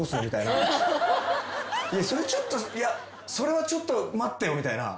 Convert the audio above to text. それちょっとそれはちょっと待ってみたいな。